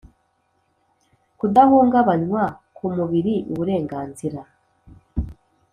Kudahungabanywa ku mubiri, uburenganzira